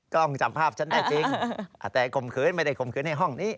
กล้องจำภาพฉันได้จริงแต่ข่มขืนไม่ได้ข่มขืนในห้องนี้